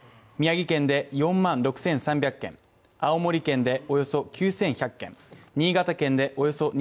宮城県で４万６３００軒、青森県でおよそ９１００軒。